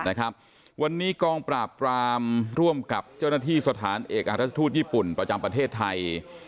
วันนี้กองปราบปรามร่วมกับเจ้าหน้าที่สถานเอกราชทูตญี่ปุ่นประจำประเทศไทย